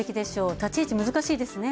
立ち位置、難しいですね。